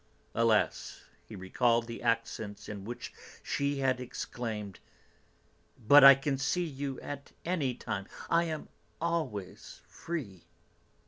Alas, he recalled the accents in which she had exclaimed: "But I can see you at any time; I am always free!"